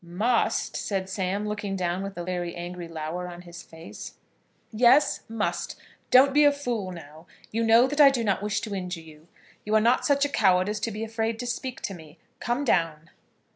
"Must!" said Sam, looking down with a very angry lower on his face. "Yes, must. Don't be a fool now. You know that I do not wish to injure you. You are not such a coward as to be afraid to speak to me. Come down."